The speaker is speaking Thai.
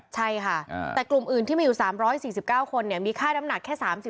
ใช่ค่ะแต่กลุ่มอื่นที่มีอยู่๓๔๙คนมีค่าน้ำหนักแค่๓๐